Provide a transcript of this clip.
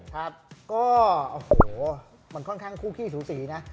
ครับก็โอ้โหมันค่อนข้างคู่ขี้สูสีนะ